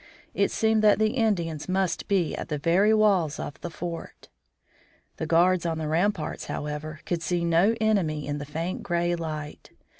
It seemed that the Indians must be at the very walls of the fort. The guards on the ramparts, however, could see no enemy in the faint gray light.